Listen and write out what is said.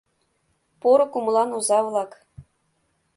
Поро кумылан оза-влак!